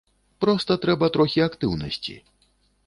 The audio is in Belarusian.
Проста трэба трохі актыўнасці.